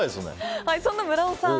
そんな村尾さん